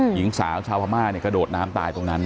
หญิงสาวชาวพม่ากระโดดน้ำตายตรงนั้น